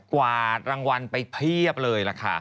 กวาดรางวัลไปเพียบเลยล่ะค่ะ